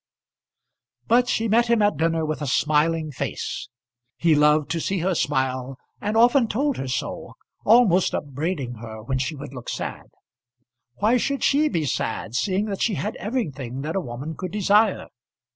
But she met him at dinner with a smiling face. He loved to see her smile, and often told her so, almost upbraiding her when she would look sad. Why should she be sad, seeing that she had everything that a woman could desire?